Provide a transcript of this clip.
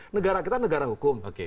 negara kita negara hukum